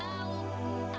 aku gak tau